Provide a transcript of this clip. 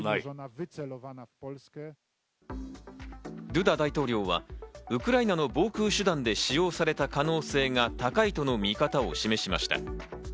ドゥダ大統領はウクライナの防空手段で使用された可能性が高いとの見方を示しました。